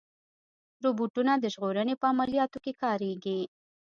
روبوټونه د ژغورنې په عملیاتو کې کارېږي.